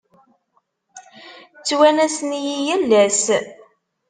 Ttwanasen-iyi yal ass.